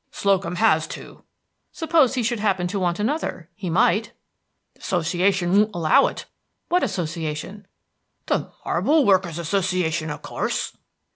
"Slocum has two." "Suppose he should happen to want another? He might." "The Association wouldn't allow it." "What Association?" "The Marble Workers' Association, of course."